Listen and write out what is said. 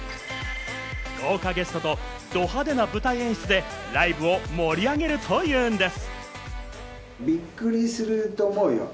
豪華ゲストと、ド派手な舞台演出でライブを盛り上げるというんです。